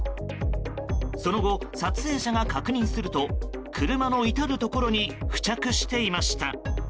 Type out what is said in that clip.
その後、撮影者が確認すると車の至るところに付着していました。